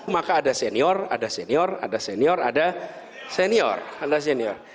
maka ada senior ada senior ada senior ada senior